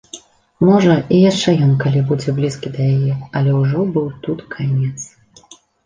Можа, і яшчэ ён калі будзе блізкі да яе, але ўжо быў тут канец.